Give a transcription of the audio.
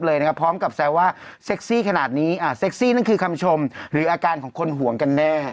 แล้วเราก็คลีย์กันจบหลังไม